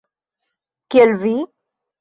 - Kiel vi?